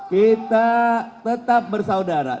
kita tetap bersaudara